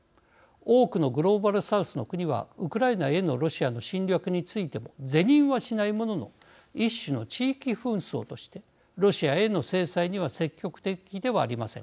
多くのグローバルサウスの国はウクライナへのロシアの侵略についても是認はしないものの一種の地域紛争としてロシアへの制裁には積極的ではありません。